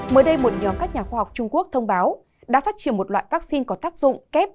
mới đây một nhóm các nhà khoa học trung quốc thông báo đã phát triển một loại vaccine có tác dụng kép